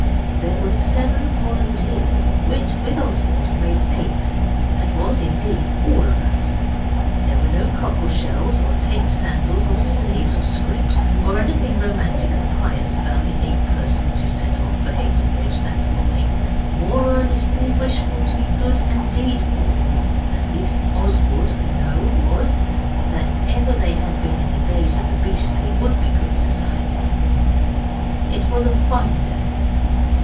') there were seven volunteers, which, with Oswald, made eight, and was, indeed, all of us. There were no cockle shells, or tape sandals, or staves, or scrips, or anything romantic and pious about the eight persons who set out for Hazelbridge that morning, more earnestly wishful to be good and deedful at least Oswald, I know, was than ever they had been in the days of the beastly Wouldbegood Society. It was a fine day.